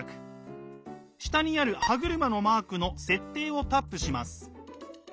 下にある歯車のマークの「設定」をタップします。